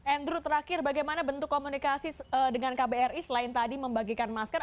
andrew terakhir bagaimana bentuk komunikasi dengan kbri selain tadi membagikan masker